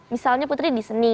misalnya putri di seni